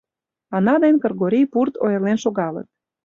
Ана ден Кыргорий пурт ойырлен шогалыт.